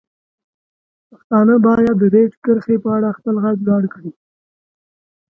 پښتانه باید د دې کرښې په اړه خپل غږ لوړ کړي.